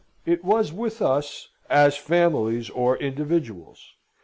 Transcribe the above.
It was with us as with families or individuals.